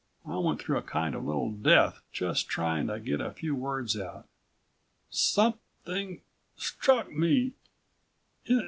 I went through a kind of little death just trying to get a few words out. "Something struck me